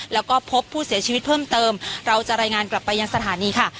แล้วก็พบผู้เสียชีวิตเพิ่มเติมเราจะรายงานกลับไปยังสถานีค่ะ